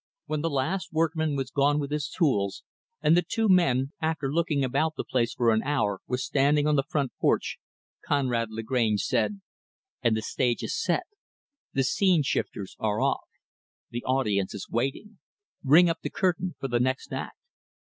When the last workman was gone with his tools; and the two men, after looking about the place for an hour, were standing on the front porch; Conrad Lagrange said, "And the stage is set. The scene shifters are off. The audience is waiting. Ring up the curtain for the next act.